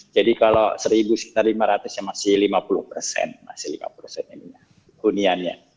jadi kalau seribu sekitar lima ratus nya masih lima puluh persen masih lima puluh persen ini ya kuniannya